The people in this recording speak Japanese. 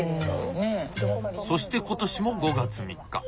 そして今年も５月３日。